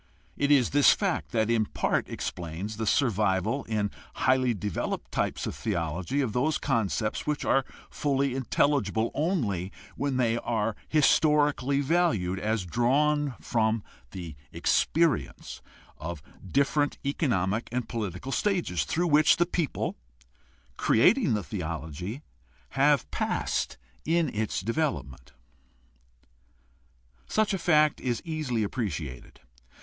It is this fact that in part explains the survival in highly developed types of theology of those concepts which are fully intelligible only when they are historically valued as drawn from the experience of different economic and political stages through which the people creating the theology have passed in its development. Such a fact is easily appreciated.